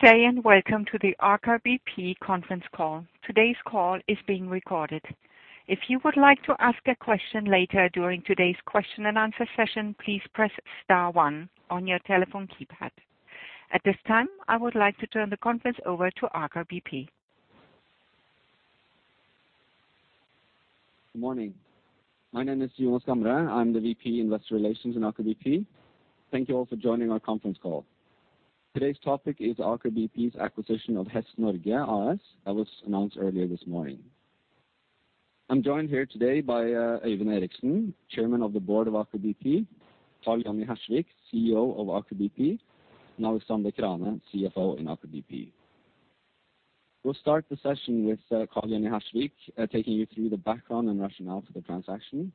Good day, welcome to the Aker BP conference call. Today's call is being recorded. If you would like to ask a question later during today's question and answer session, please press star one on your telephone keypad. At this time, I would like to turn the conference over to Aker BP. Good morning. My name is Jonas Gamre. I'm the VP Investor Relations in Aker BP. Thank you all for joining our conference call. Today's topic is Aker BP's acquisition of Hess Norge AS that was announced earlier this morning. I'm joined here today by Øyvind Eriksen, Chairman of the Board of Aker BP, Karl Johnny Hersvik, CEO of Aker BP, Alexander Krane, CFO in Aker BP. We'll start the session with Karl Johnny Hersvik taking you through the background and rationale for the transaction.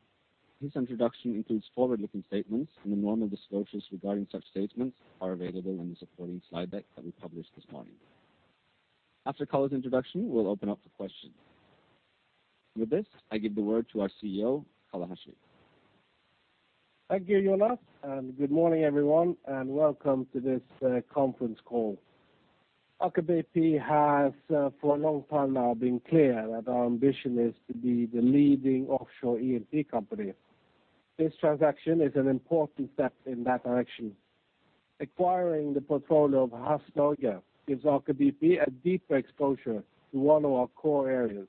His introduction includes forward-looking statements, and the normal disclosures regarding such statements are available in the supporting slide deck that we published this morning. After Karl's introduction, we'll open up for questions. With this, I give the word to our CEO, Karl Hersvik. Thank you, Jonas, good morning, everyone, welcome to this conference call. Aker BP has, for a long time now, been clear that our ambition is to be the leading offshore E&P company. This transaction is an important step in that direction. Acquiring the portfolio of Hess Norge gives Aker BP a deeper exposure to one of our core areas.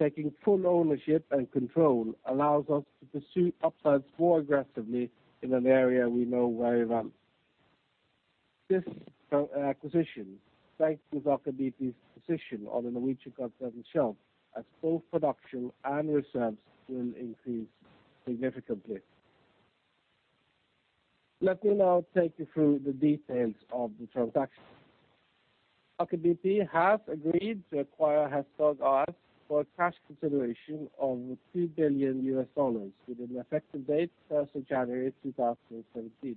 Taking full ownership and control allows us to pursue upsides more aggressively in an area we know very well. This acquisition strengthens Aker BP's position on the Norwegian Continental Shelf as both production and reserves will increase significantly. Let me now take you through the details of the transaction. Aker BP has agreed to acquire Hess Norge AS for a cash consideration of $2 billion with an effective date, 1st of January 2017.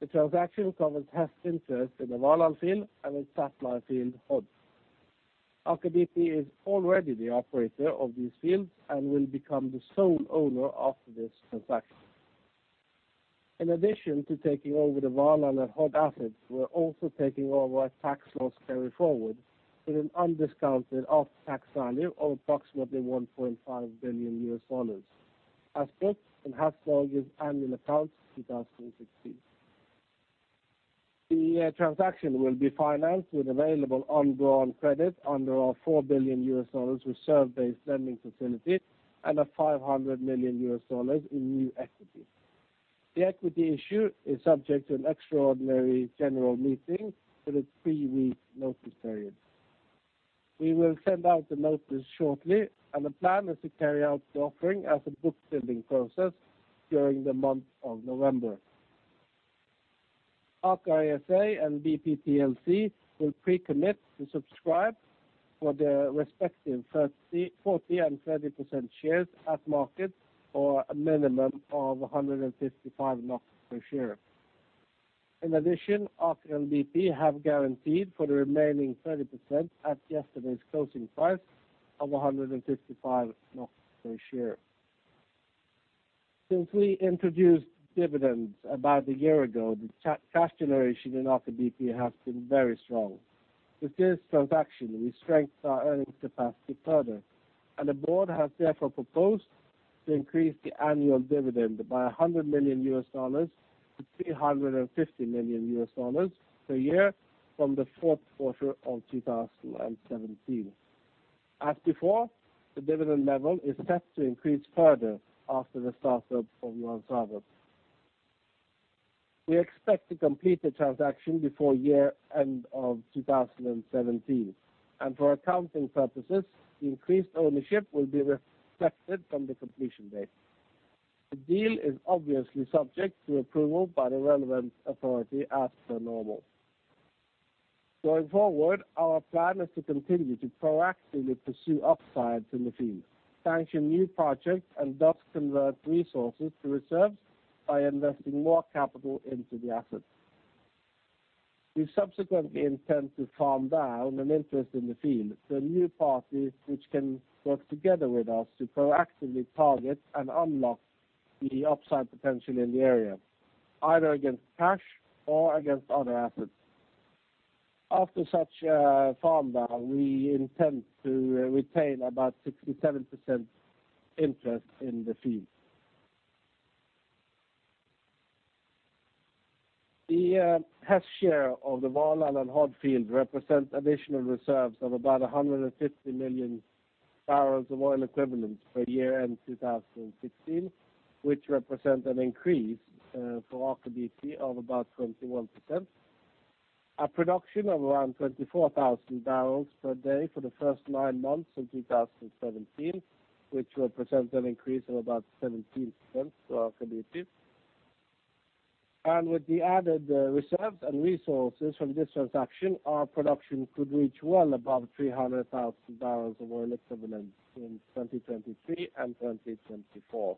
The transaction covers Hess' interest in the Valhall field and its satellite field, Hod. Aker BP is already the operator of these fields and will become the sole owner after this transaction. In addition to taking over the Valhall and Hod assets, we're also taking over a tax loss carry-forward with an undiscounted off-tax value of approximately $1.5 billion, as booked in Hess Norge's annual accounts 2016. The transaction will be financed with available undrawn credit under our $4 billion reserve-based lending facility and a $500 million in new equity. The equity issue is subject to an extraordinary general meeting with a three-week notice period. We will send out the notice shortly, the plan is to carry out the offering as a bookbuilding process during the month of November. Aker ASA and BP PLC will pre-commit to subscribe for their respective 40% and 30% shares at market or a minimum of 155 NOK per share. In addition, Aker and BP have guaranteed for the remaining 30% at yesterday's closing price of 155 per share. Since we introduced dividends about a year ago, the cash generation in Aker BP has been very strong. With this transaction, we strengthen our earning capacity further, and the board has therefore proposed to increase the annual dividend by $100 million to $350 million per year from the fourth quarter of 2017. As before, the dividend level is set to increase further after the start-up of Johan Sverdrup. We expect to complete the transaction before year-end of 2017, and for accounting purposes, the increased ownership will be reflected from the completion date. The deal is obviously subject to approval by the relevant authority as per normal. Going forward, our plan is to continue to proactively pursue upsides in the field, sanction new projects, and thus convert resources to reserves by investing more capital into the asset. We subsequently intend to farm down an interest in the field to a new party which can work together with us to proactively target and unlock the upside potential in the area, either against cash or against other assets. After such a farm-down, we intend to retain about 67% interest in the field. The Hess share of the Valhall and Hod field represent additional reserves of about 150 million barrels of oil equivalent for year-end 2015, which represent an increase for Aker BP of about 21%. A production of around 24,000 barrels per day for the first nine months of 2017, which represent an increase of about 17% for Aker BP. With the added reserves and resources from this transaction, our production could reach well above 300,000 barrels of oil equivalent in 2023 and 2024.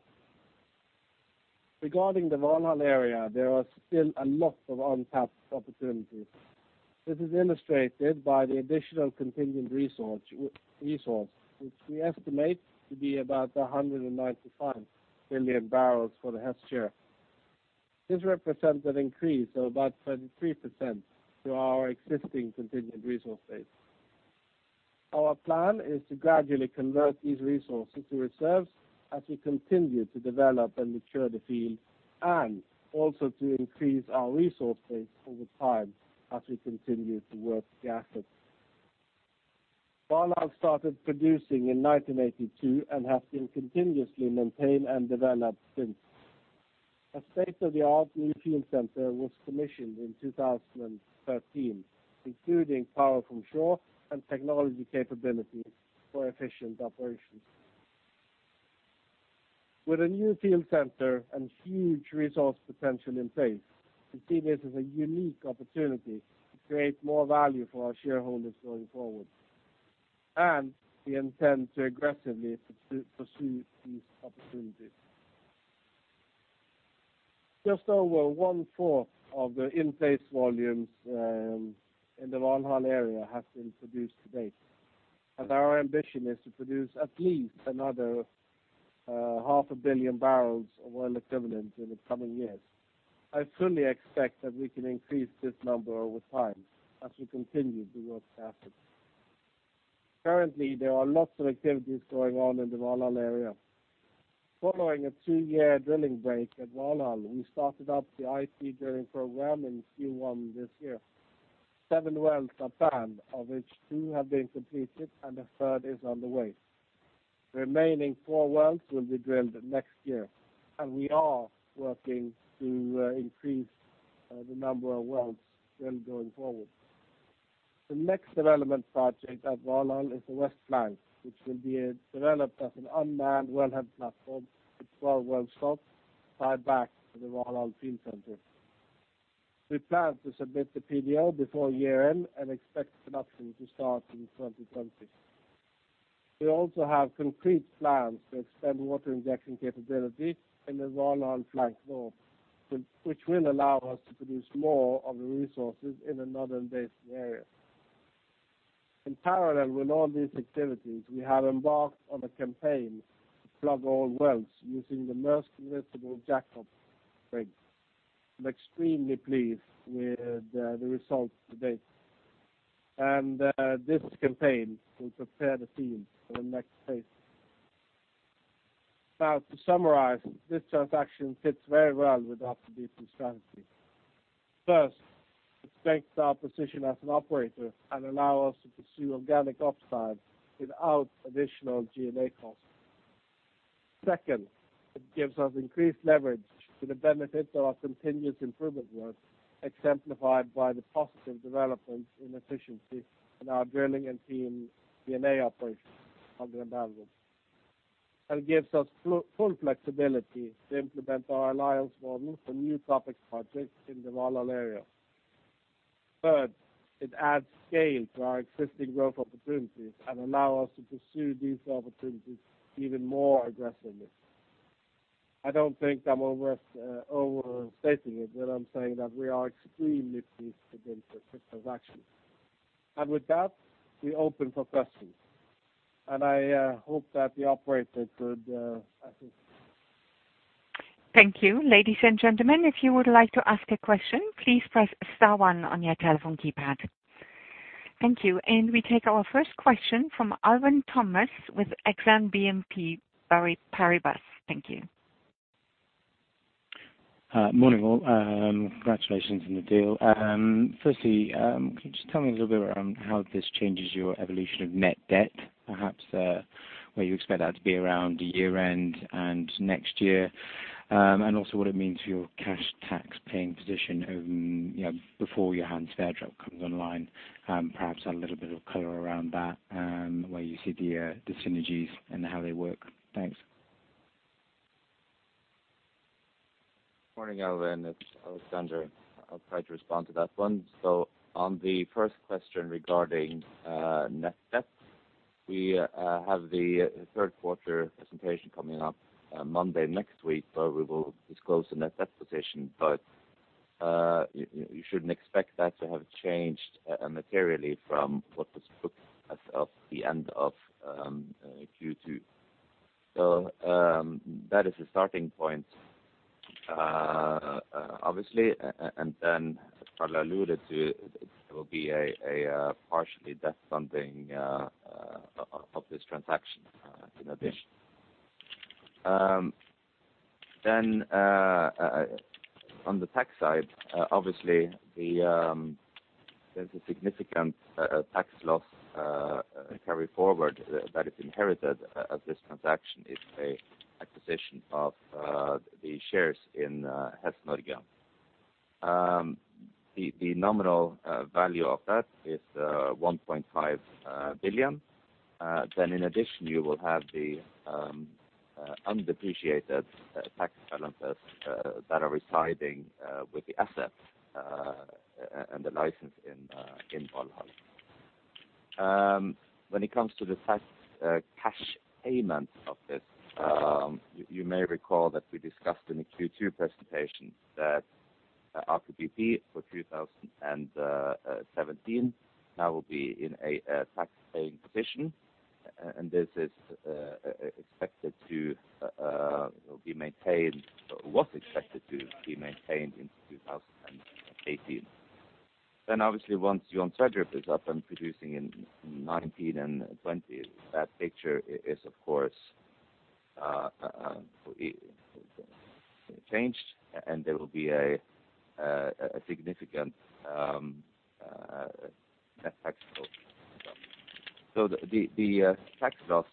Regarding the Valhall area, there are still a lot of untapped opportunities. This is illustrated by the additional contingent resource, which we estimate to be about 195 billion barrels for the Hess share. This represents an increase of about 33% to our existing contingent resource base. Our plan is to gradually convert these resources to reserves as we continue to develop and mature the field, and also to increase our resource base over time as we continue to work the asset. Valhall started producing in 1982 and has been continuously maintained and developed since. A state-of-the-art new field center was commissioned in 2013, including power from shore and technology capabilities for efficient operations. With a new field center and huge resource potential in place, we see this as a unique opportunity to create more value for our shareholders going forward. We intend to aggressively pursue these opportunities. Just over one-fourth of the in-place volumes in the Valhall area has been produced to date. Our ambition is to produce at least another half a billion barrels of oil equivalent in the coming years. I fully expect that we can increase this number over time as we continue to work the asset. Currently, there are lots of activities going on in the Valhall area. Following a two-year drilling break at Valhall, we started up the IG drilling program in Q1 this year. Seven wells are planned, of which two have been completed, and a third is on the way. The remaining four wells will be drilled next year, and we are working to increase the number of wells drilled going forward. The next development project at Valhall is the West Flank, which will be developed as an unmanned wellhead platform with 12 well slots tied back to the Valhall field center. We plan to submit the PDO before year-end and expect production to start in 2020. We also have concrete plans to extend water injection capability in the Valhall Flank North, which will allow us to produce more of the resources in the Northern Basin area. In parallel with all these activities, we have embarked on a campaign to plug all wells using the Maersk Invincible jackup rig. I'm extremely pleased with the results to date. This campaign will prepare the field for the next phase. To summarize, this transaction fits very well with Aker BP strategy. First, it strengthens our position as an operator and allow us to pursue organic upsides without additional G&A costs. Second, it gives us increased leverage to the benefit of our continuous improvement work, exemplified by the positive developments in efficiency in our drilling and field P&A operations on the Balder. It gives us full flexibility to implement our alliance model for new topic projects in the Valhall area. Third, it adds scale to our existing growth opportunities and allow us to pursue these opportunities even more aggressively. I don't think I'm overstating it when I'm saying that we are extremely pleased with this transaction. With that, we open for questions, and I hope that the operator could assist. Thank you. Ladies and gentlemen, if you would like to ask a question, please press star one on your telephone keypad. Thank you. We take our first question from Alvin Thomas with Exane BNP Paribas. Thank you. Morning, all. Congratulations on the deal. Firstly, could you just tell me a little bit around how this changes your evolution of net debt, perhaps where you expect that to be around year-end and next year? Also what it means for your cash tax paying position before your Hanz comes online. Perhaps a little bit of color around that where you see the synergies and how they work. Thanks. Morning, Alvin. It's Alexander. I'll try to respond to that one. On the first question regarding net debt, we have the third quarter presentation coming up Monday next week where we will disclose the net debt position. You shouldn't expect that to have changed materially from what was booked as of the end of Q2. That is the starting point obviously. As Karl alluded to, it will be a partially debt funding of this transaction in addition. On the tax side, obviously there's a significant tax loss carry forward that is inherited as this transaction is a acquisition of the shares in Hess Norge. The nominal value of that is $1.5 billion. In addition, you will have the undepreciated tax balances that are residing with the asset and the license in Valhall. When it comes to the tax cash payment of this, you may recall that we discussed in the Q2 presentation that Aker BP for 2017 now will be in a tax-paying position. This is expected to be maintained, was expected to be maintained in 2018. Obviously once Johan Sverdrup is up and producing in 2019 and 2020, that picture is, of course, changed, and there will be a significant net tax bill. The tax loss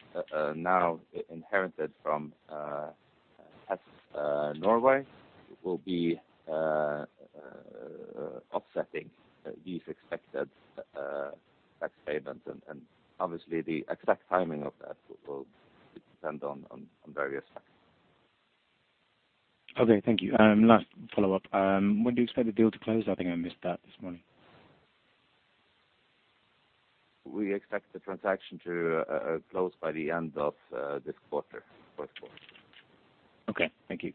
now inherited from Hess Norge will be offsetting these expected tax payments, and obviously the exact timing of that will depend on various factors. Okay. Thank you. Last follow-up. When do you expect the deal to close? I think I missed that this morning. We expect the transaction to close by the end of this quarter. Okay. Thank you.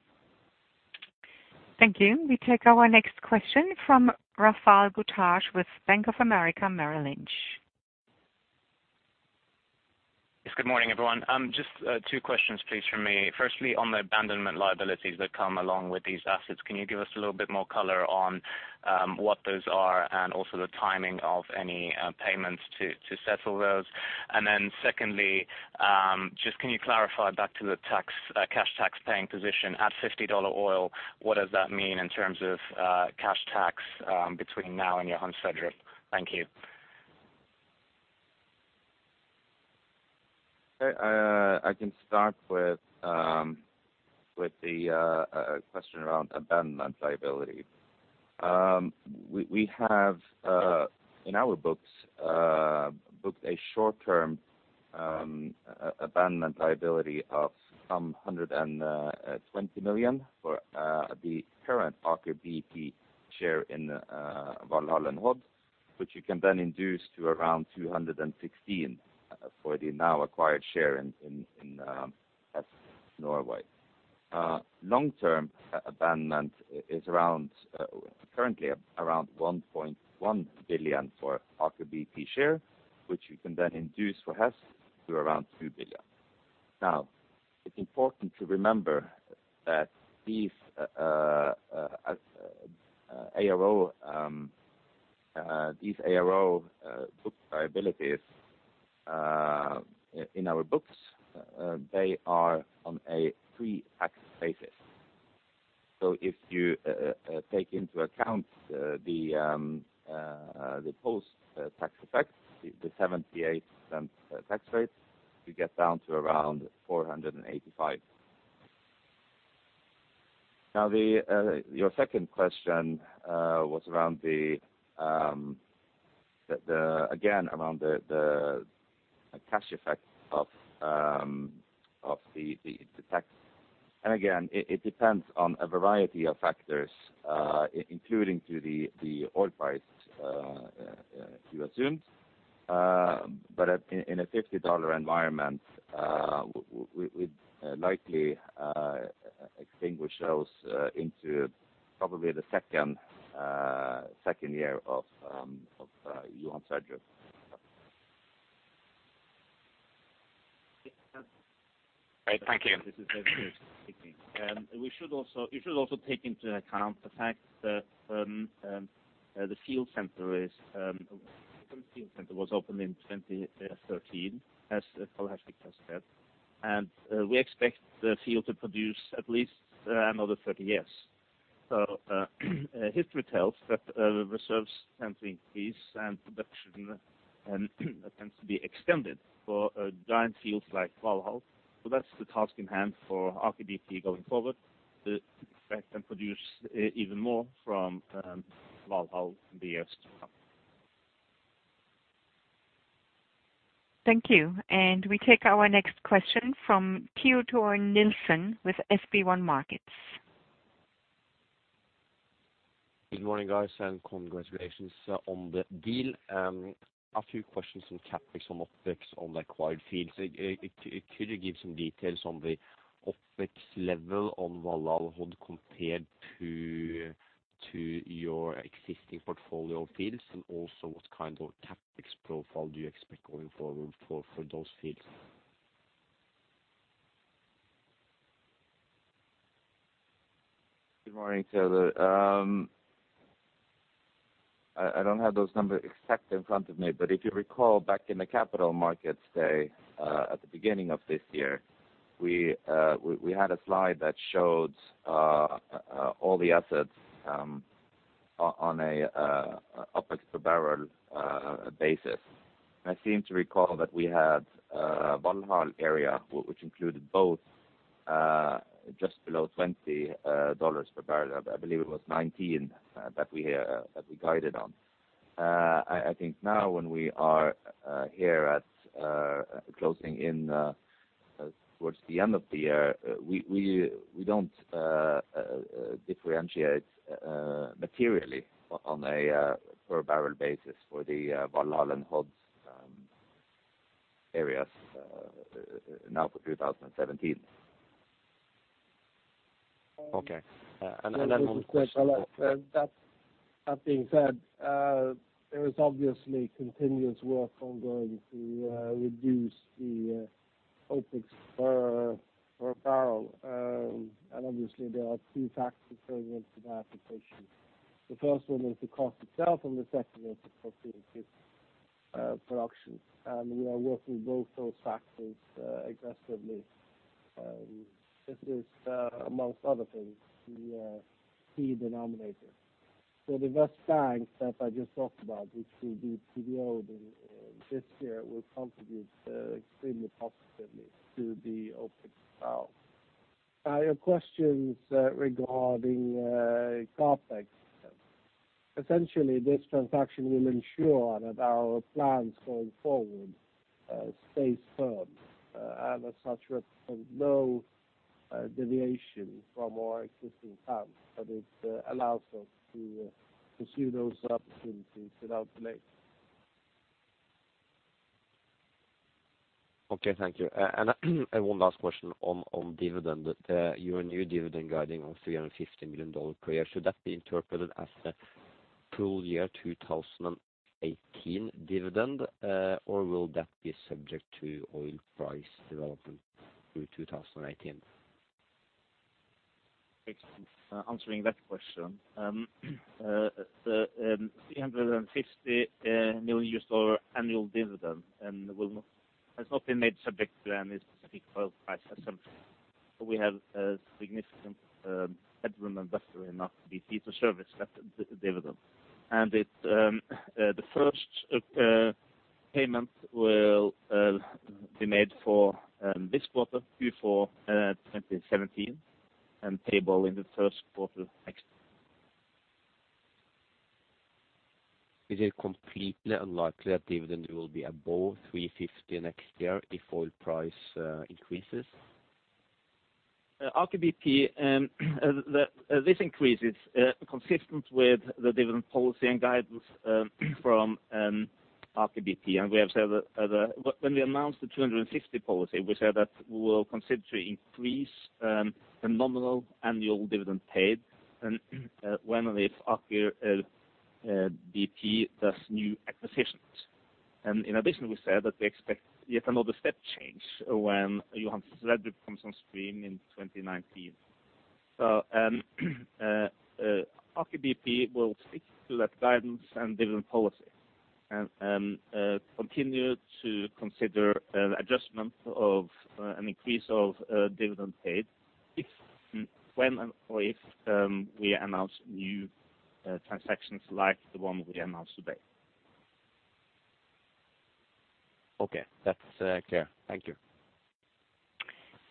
Thank you. We take our next question from Raphael Gautier with Bank of America Merrill Lynch. Yes, good morning, everyone. Just two questions please from me. Firstly, on the abandonment liabilities that come along with these assets, can you give us a little bit more color on what those are and also the timing of any payments to settle those? Secondly, just can you clarify back to the cash tax paying position at $50 oil, what does that mean in terms of cash tax between now and Johan Sverdrup? Thank you. I can start with the question around abandonment liability. We have, in our books, booked a short-term abandonment liability of some $120 million for the current Aker BP share in Valhall and Hod, which you can then induce to around $216 for the now acquired share in Hess Norge. Long-term abandonment is currently around $1.1 billion for Aker BP share, which you can then induce for Hess to around $2 billion. It's important to remember that these ARO booked liabilities, in our books, they are on a pre-tax basis. If you take into account the post-tax effect, the 78% tax rate, you get down to around $485. Your second question was, again, around the cash effect of the tax. Again, it depends on a variety of factors, including to the oil price you assumed. In a $50 environment, we'd likely extinguish those into probably the second year of Johan Sverdrup. Great. Thank you. This is Per Harald. You should also take into account the fact that the field center was opened in 2013, as Karl Johnny has said. We expect the field to produce at least another 30 years. History tells that reserves tend to increase, and production tends to be extended for giant fields like Valhall. That's the task in hand for Aker BP going forward, to extract and produce even more from Valhall in the years to come. Thank you. We take our next question from Teodor Nielsen with SP1 Markets. Good morning, guys, and congratulations on the deal. A few questions on CapEx, on OpEx, on the acquired fields. Could you give some details on the OpEx level on Valhall-Hod compared to your existing portfolio of fields, and also what kind of CapEx profile do you expect going forward for those fields? Good morning. I don't have those numbers exact in front of me, but if you recall back in the Capital Markets Day, at the beginning of this year, we had a slide that showed all the assets on an OpEx per barrel basis. I seem to recall that we had Valhall area, which included both, just below $20 per barrel. I believe it was $19 that we guided on. I think now when we are here at closing towards the end of the year, we don't differentiate materially on a per barrel basis for the Valhall and Hod areas now for 2017. Okay. That being said, there is obviously continuous work ongoing to reduce the OpEx per barrel. Obviously there are two factors going into that equation. The first one is the cost itself, and the second is the production. We are working both those factors aggressively. This is, amongst other things, the key denominator. The Valhall Flank West that I just talked about, which will be PDO-ing this year, will contribute extremely positively to the OpEx barrel. Your questions regarding CapEx. Essentially, this transaction will ensure that our plans going forward stay firm, and as such represent no deviation from our existing plans. It allows us to pursue those opportunities without delay. Okay, thank you. One last question on dividend. Your new dividend guiding of $350 million per year, should that be interpreted as the full year 2018 dividend, or will that be subject to oil price development through 2018? Thanks. Answering that question. The NOK 350 million annual dividend has not been made subject to any specific oil price assumption. We have a significant headroom investor in Aker BP to service that dividend. The first payment will be made for this quarter, Q4 2017, and payable in the first quarter next. Is it completely unlikely that dividend will be above $350 next year if oil price increases? Aker BP, this increase is consistent with the dividend policy and guidance from Aker BP. When we announced the $250 million policy, we said that we will consider to increase the nominal annual dividend paid, when and if Aker BP does new acquisitions. In addition, we said that we expect yet another step change when Johan Sverdrup comes on stream in 2019. Aker BP will stick to that guidance and dividend policy, and continue to consider an adjustment of an increase of dividend paid when or if we announce new transactions like the one we announced today. Okay. That's clear. Thank you.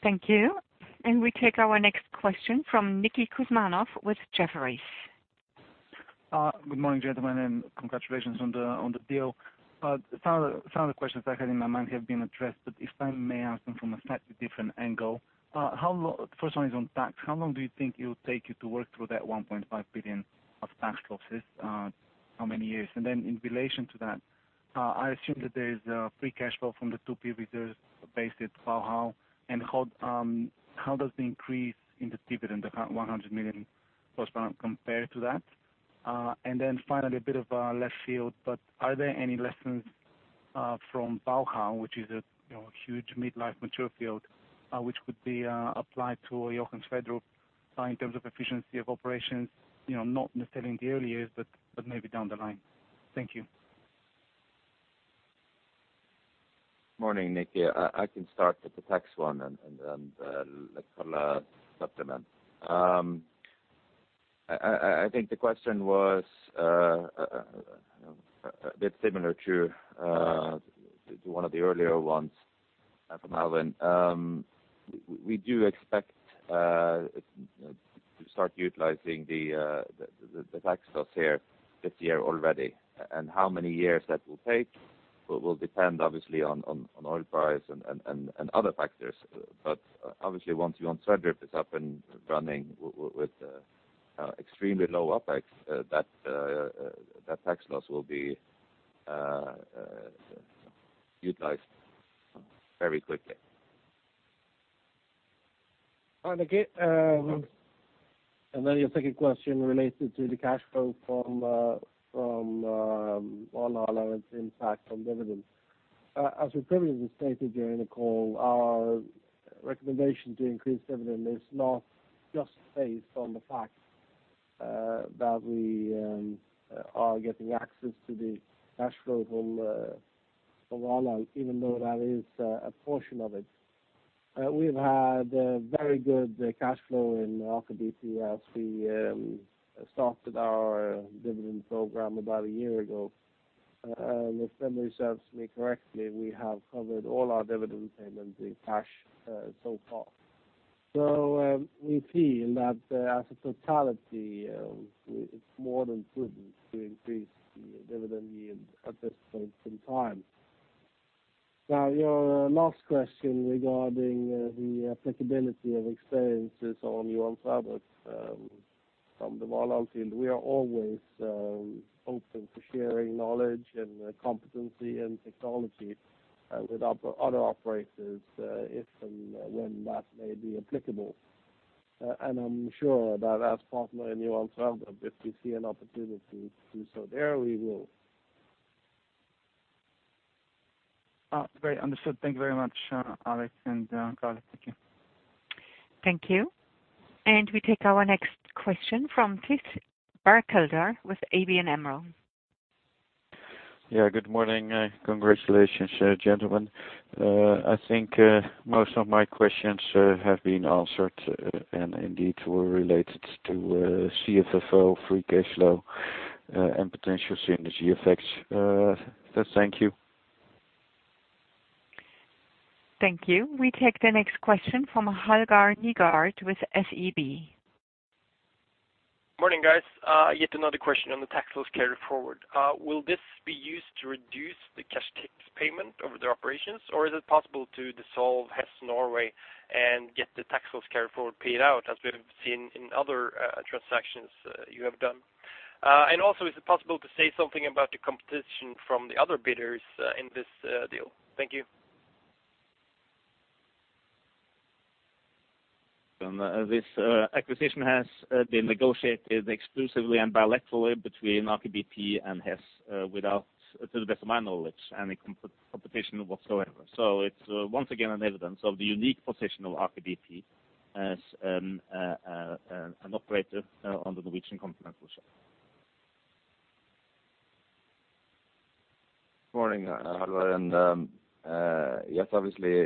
Thank you. We take our next question from Nikolas Kuzmanov with Jefferies. Good morning, gentlemen, congratulations on the deal. Some of the questions I had in my mind have been addressed, if I may ask them from a slightly different angle. First one is on tax. How long do you think it will take you to work through that 1.5 billion of tax losses? How many years? In relation to that, I assume that there is free cash flow from the 2P reserves based at Valhall. How does the increase in the dividend, the $100 million post-deal compare to that? Finally, a bit of a left field, are there any lessons from Valhall, which is a huge mid-life mature field, which could be applied to Johan Sverdrup in terms of efficiency of operations? Not necessarily in the early years, maybe down the line. Thank you. Morning, Niki. I can start with the tax one and let Karl supplement. I think the question was a bit similar to one of the earlier ones from Alvin. We do expect to start utilizing the tax loss here this year already. How many years that will take will depend obviously on oil price and other factors. Obviously once Johan Sverdrup is up and running with extremely low OpEx, that tax loss will be utilized very quickly. Hi, Niki. Your second question related to the cash flow from Valhall and its impact on dividends. As we previously stated during the call, our recommendation to increase dividend is not just based on the fact that we are getting access to the cash flow from Valhall, even though that is a portion of it. We've had very good cash flow in Aker BP as we started our dividend program about a year ago. If memory serves me correctly, we have covered all our dividend payments in cash so far. We feel that as a totality, it's more than prudent to increase the dividend yield at this point in time. Now, your last question regarding the applicability of experiences on Johan Sverdrup from the Valhall field, we are always open to sharing knowledge and competency and technology with other operators, if and when that may be applicable. I'm sure that as partner in Johan Sverdrup, if we see an opportunity to do so there, we will. Great. Understood. Thank you very much, Alex and Karl. Thank you. Thank you. We take our next question from Tiziana Burkhalter with ABN AMRO. Good morning. Congratulations, gentlemen. I think most of my questions have been answered, and indeed were related to CFFO, free cash flow, and potential synergy effects. Thank you. Thank you. We take the next question from Halvard Nygard with SEB. Morning, guys. Yet another question on the tax loss carry forward. Will this be used to reduce the cash tax payment over the operations, or is it possible to dissolve Hess Norge and get the tax loss carry forward paid out, as we have seen in other transactions you have done? Also, is it possible to say something about the competition from the other bidders in this deal? Thank you. This acquisition has been negotiated exclusively and bilaterally between Aker BP and Hess without, to the best of my knowledge, any competition whatsoever. It's once again an evidence of the unique position of Aker BP as an operator on the Norwegian continental shelf. Morning, Halvard, yes, obviously,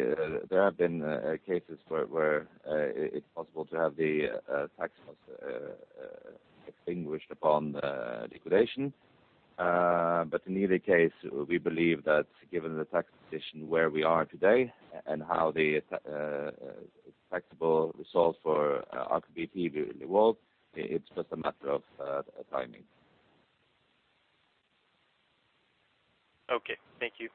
there have been cases where it's possible to have the tax loss extinguished upon liquidation. In either case, we believe that given the tax position where we are today and how the taxable result for Aker BP will evolve, it's just a matter of timing. Okay. Thank you.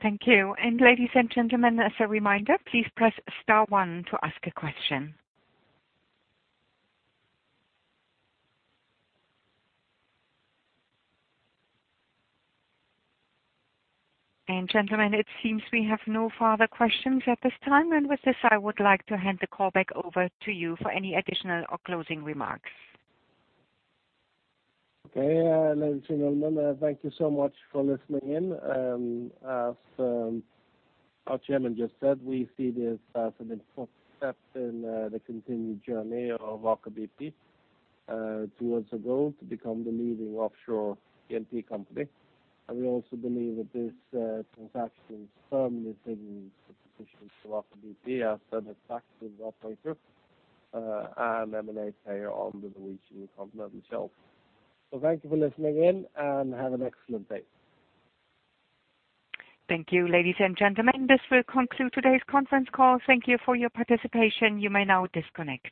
Thank you. Ladies and gentlemen, as a reminder, please press star one to ask a question. Gentlemen, it seems we have no further questions at this time. With this, I would like to hand the call back over to you for any additional or closing remarks. Okay. Ladies and gentlemen, thank you so much for listening in. As our Chairman just said, we see this as an important step in the continued journey of Aker BP towards the goal to become the leading offshore E&P company. We also believe that this transaction firmly positions Aker BP as an attractive operator and M&A player on the Norwegian continental shelf. Thank you for listening in, and have an excellent day. Thank you, ladies and gentlemen. This will conclude today's conference call. Thank you for your participation. You may now disconnect.